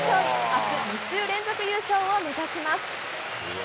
あす、２週連続優勝を目指します。